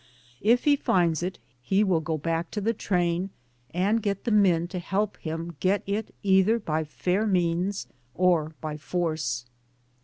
If he finds it, he will go back to the train and get the men to help him get it either by fair means or by force.